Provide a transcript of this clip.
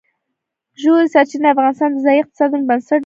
ژورې سرچینې د افغانستان د ځایي اقتصادونو بنسټ دی.